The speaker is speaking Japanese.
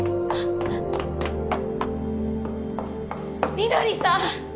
翠さん！？